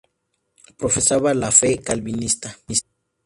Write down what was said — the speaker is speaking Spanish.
Profesaba la fe calvinista.